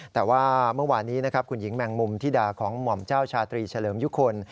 แต่ว่าเมื่อวานนี้นะครับคุณหญิงแมงมุมธิดาของหม่อมเจ้าชาตรีเฉลิมยุคล